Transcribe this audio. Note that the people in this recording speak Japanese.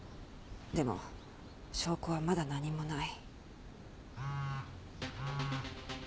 でも証拠はまだ何もない。